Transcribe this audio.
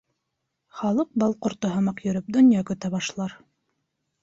Халыҡ, бал ҡорто һымаҡ йөрөп, донъя көтә башлар.